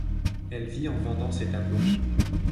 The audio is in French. Elle vit en vendant ses tableaux.